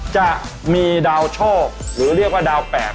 จะมีดาวโชคหรือเรียกว่าดาวแปลก